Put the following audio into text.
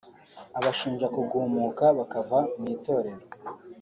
abashinja kugumuka bakava mu Itorero